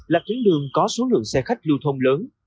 là tuyến đường có số lượng xe khách lưu thông lớn